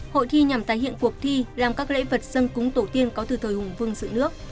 hội thi nhằm tái hiện cuộc thi làm các lễ vật dân cúng tổ tiên có từ thời hùng vương dự nước